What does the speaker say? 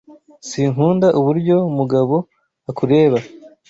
Sinkunda uburyo Mugabo akureba.